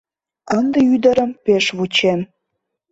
Ынде ӱдырым пеш вучем.